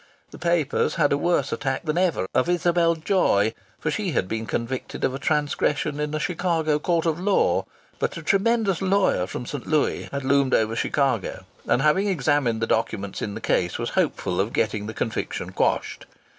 The papers had a worse attack than ever of Isabel Joy, for she had been convicted of transgression in a Chicago court of law, but a tremendous lawyer from St. Louis had loomed over Chicago and, having examined the documents in the case, was hopeful of getting the conviction quashed.